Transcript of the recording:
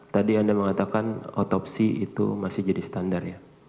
tadi anda mengatakan otopsi itu masih jadi standar ya